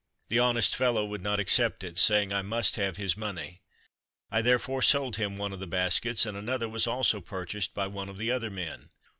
The honest fellow would not accept it, saying I must have his money. I therefore sold him one of the baskets, and another was also purchased by one of the other men.